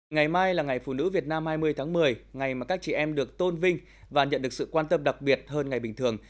ngày mai là ngày phụ nữ việt nam hai mươi tháng một mươi ngày mà các chị em được tôn vinh và nhận được sự quan tâm đặc biệt hơn ngày bình thường